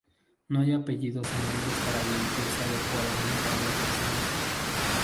No hay apellidos o nombres para dirigirse adecuadamente a una persona.